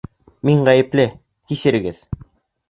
— Мин ғәйепле, кисерегеҙ...